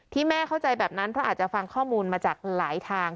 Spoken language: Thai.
แม่เข้าใจแบบนั้นเพราะอาจจะฟังข้อมูลมาจากหลายทาง